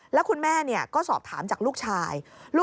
แล้วคุณแม่ก็สอบถามจากลูกชาย